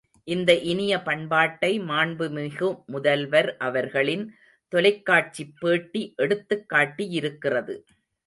இந்த இனிய பண்பாட்டை மாண்புமிகு முதல்வர் அவர்களின் தொலைக்காட்சிப் பேட்டி எடுத்துக் காட்டியிருக்கிறது.